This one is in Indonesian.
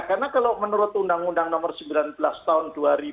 karena kalau menurut undang undang nomor sembilan belas tahun dua ribu sembilan belas